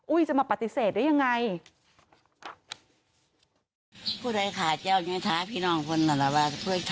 จะมาปฏิเสธได้ยังไง